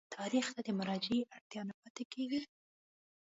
تاریخ ته د مراجعې اړتیا نه پاتېږي.